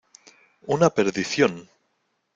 ¡ una perdición!...